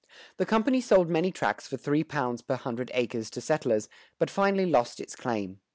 The company sold many tracts for £3 per hundred acres to settlers, but finally lost its claim.